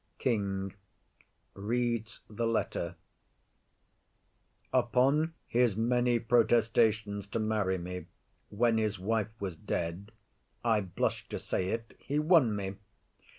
KING. [Reads.] _Upon his many protestations to marry me when his wife was dead, I blush to say it, he won me.